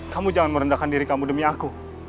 kamu jangan merendahkan diri kamu demi aku